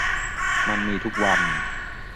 มันมีทุกวัน